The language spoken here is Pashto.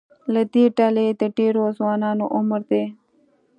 له دې ډلې د ډېرو ځوانانو عمر د